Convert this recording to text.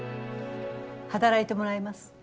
働いてもらいます。